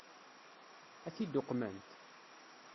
Ad t-id-uqment?